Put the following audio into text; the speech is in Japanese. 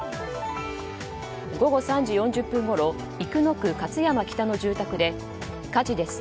午後３時４０分ごろ生野区勝山北の住宅で火事です。